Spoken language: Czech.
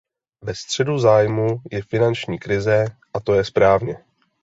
Ve středu zájmu je finanční krize, a to je správě.